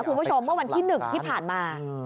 คุณผู้ชมว่าวันที่หนึ่งที่ผ่านมา